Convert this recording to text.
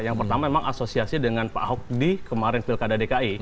yang pertama memang asosiasi dengan pak ahok di kemarin pilkada dki